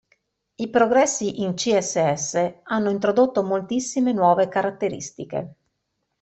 I progressi in CSS hanno introdotto moltissime nuove caratteristiche.